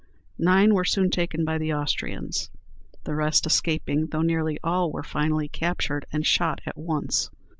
Nine were soon taken by the Austrians, the rest escaping, though nearly all were finally captured and shot at once.